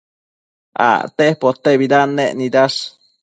Acte potebidanec nidash